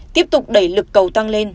tiếp tục đẩy lực cầu tăng lên